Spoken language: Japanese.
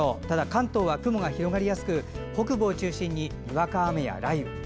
ただ関東は雲が広がりやすく北部を中心ににわか雨や雷雨。